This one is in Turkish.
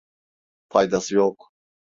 Faydası yok.